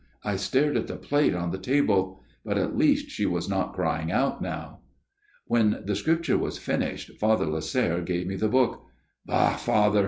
I stared at the plate on the table ; but at least she was not crying out now. "When the Scripture was finished, Father Lasserre gave me the book. "'Bah! Father!'